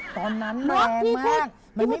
ตอนนั้นแรงมาก